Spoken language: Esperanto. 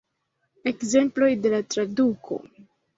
Ekzemploj de la traduko.